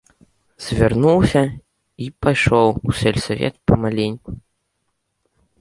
Завярнуўся й пайшоў у сельсавет памаленьку.